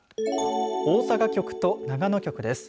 大阪局と長野局です。